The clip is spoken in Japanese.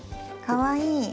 かわいい。